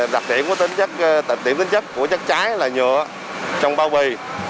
đặc điểm tính chất của chất cháy là nhựa trong bao bì